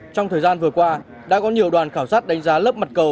trong thời gian vừa qua đã có nhiều đoàn khảo sát đánh giá lớp mặt cầu